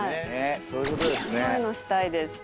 そういうのしたいです。